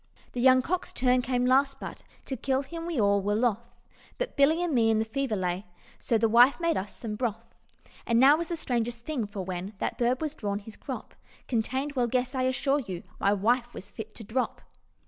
"The young cock's turn came last, but To kill him we all were loth; But Billy and me in the fever lay, So the wife made us some broth. And now was the strangest thing, for when That bird was drawn, his crop Contained well, guess? I assure you, My wife was fit to drop.